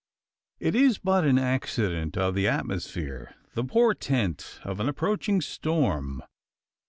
It is but an accident of the atmosphere the portent of an approaching storm.